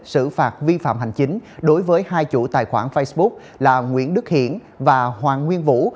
xử phạt vi phạm hành chính đối với hai chủ tài khoản facebook là nguyễn đức hiển và hoàng nguyên vũ